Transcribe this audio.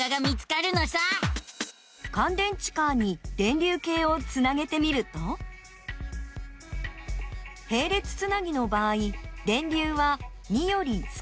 かん電池カーに電流計をつなげてみるとへい列つなぎの場合電流は２より少し小さくなっています。